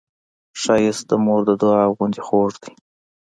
ښایست د مور د دعا غوندې خوږ دی